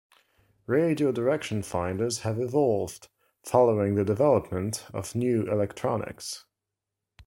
Radio direction finders have evolved, following the development of new electronics.